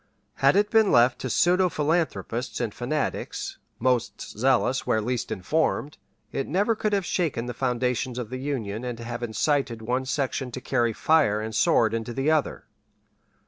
Had it been left to pseudo philanthropists and fanatics, most zealous where least informed, it never could have shaken the foundations of the Union and have incited one section to carry fire and sword into the other.